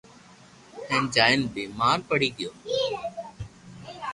ھين جائين بيمار پڙي گيو